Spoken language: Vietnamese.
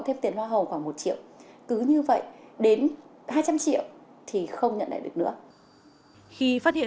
thêm tiền hoa hồng khoảng một triệu cứ như vậy đến hai trăm linh triệu thì không nhận lại được nữa khi phát hiện